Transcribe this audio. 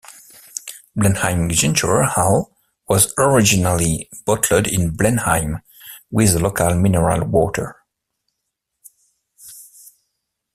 Blenheim Ginger Ale was originally bottled in Blenheim, with the local mineral water.